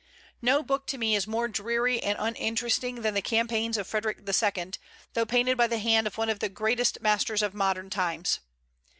No book to me is more dreary and uninteresting than the campaigns of Frederic II., though painted by the hand of one of the greatest masters of modern times.